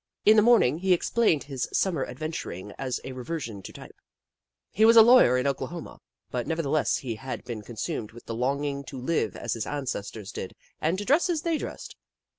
In the morning he explained his Summer adventuring as a reversion to type. He was a lawyer in Oklahoma, but nevertheless he had been consumed with the longing to live as his ancestors did and to dress as they dressed.